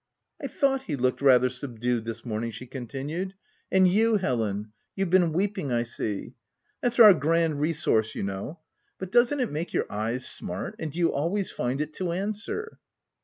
" I thought he looked rather subdued this morning/' she continued; '* and you, Helen; you've been weeping I see — that's our grand re source, you know — but doesn't it make your eyes smart ?— and do you always find it to answer?"